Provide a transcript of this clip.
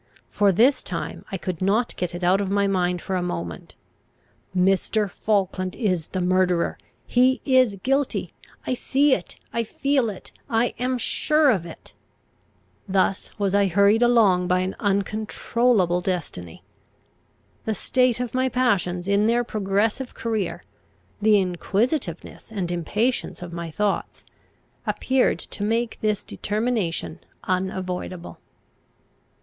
For this time I could not get it out of my mind for a moment: "Mr. Falkland is the murderer! He is guilty! I see it! I feel it! I am sure of it!" Thus was I hurried along by an uncontrollable destiny. The state of my passions in their progressive career, the inquisitiveness and impatience of my thoughts, appeared to make this determination unavoidable.